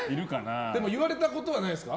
でも言われたことはないですか。